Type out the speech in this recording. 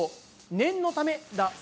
念のため？